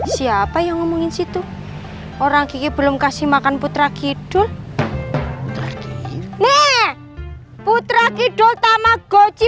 siapa yang ngomongin situ orang gigi belum kasih makan putra kidul putra kidul tamagoci